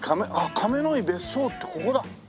亀の井別荘ってここだ！